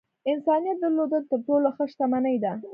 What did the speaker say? انسانيت درلودل تر ټولو ښۀ شتمني ده .